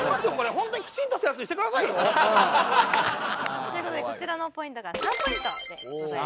本当にきちんとしたやつにしてくださいよ。という事でこちらのポイントが３ポイントでございます。